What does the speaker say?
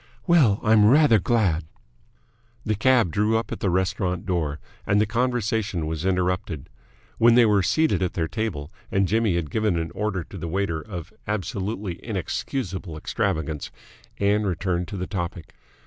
"Well, I'm rather glad." The cab drew up at the restaurant door, and the conversation was interrupted. When they were seated at their table and Jimmy had given an order to the waiter of absolutely inexcusable extravagance, Ann returned to the topic.